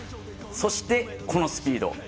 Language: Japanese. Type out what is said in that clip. そして、このスピード！